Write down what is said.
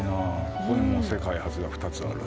ここにも世界初が２つある。